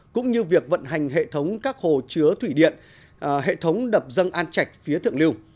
cũng như việc vận hành hệ thống các hồ chứa thủy điện hệ thống đập dâng an trạch phía thượng lưu